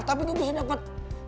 tapi gue bisa dapet tujuh puluh